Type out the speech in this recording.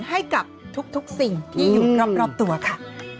ให้กับทุกสิ่งที่อยู่รอบตัวค่ะ